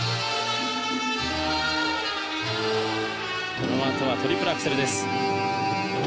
このあとはトリプルアクセルです。